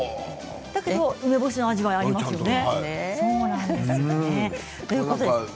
だけど梅干しの味わいがありますよね。